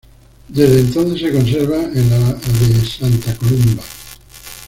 Desde entonces se conserva en la de Santa Columba.